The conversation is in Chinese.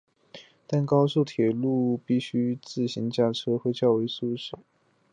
但高速铁路毋须自行驾车会较为舒适。